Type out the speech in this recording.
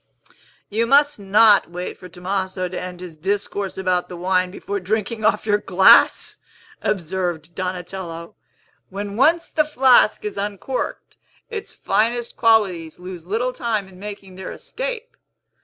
"You must not wait for Tomaso to end his discourse about the wine, before drinking off your glass," observed Donatello. "When once the flask is uncorked, its finest qualities lose little time in making their escape.